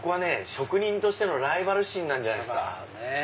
職人としてのライバル心なんじゃないすか？